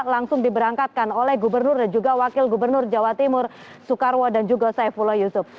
langsung diberangkatkan oleh gubernur dan juga wakil gubernur jawa timur soekarwo dan juga saifullah yusuf